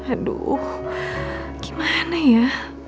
aduh gimana ya